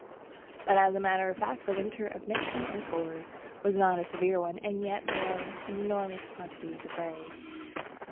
But as a matter of fact the winter of 1904 was not a severe one, and yet there were enormous quantities of berries.